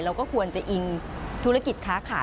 เราก็ควรจะอิงธุรกิจค้าขาย